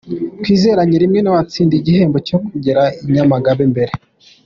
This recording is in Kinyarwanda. Twizerane niwe watsindiye igihembo cyo kugera i Nyamagabe mbere.